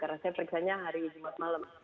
karena saya periksa hari jumat dan malam